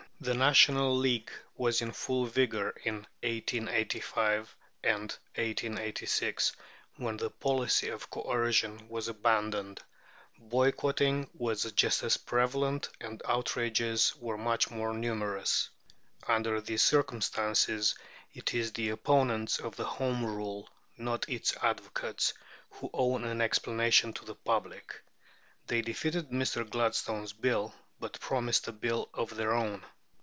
The National League was in full vigour in 1885 1886, when the policy of coercion was abandoned; boycotting was just as prevalent, and outrages were much more numerous. Under these circumstances it is the opponents of Home Rule, not its advocates, who owe an explanation to the public. They defeated Mr. Gladstone's Bill, but promised a Bill of their own.